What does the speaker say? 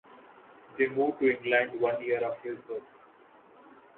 They moved to England one year after his birth.